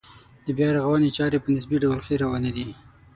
د بیا رغونې چارې په نسبي ډول ښې روانې دي.